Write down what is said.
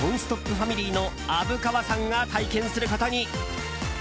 ファミリーの虻川さんが体験することに。